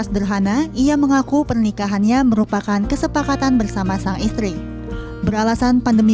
sederhana ia mengaku pernikahannya merupakan kesepakatan bersama sang istri beralasan pandemi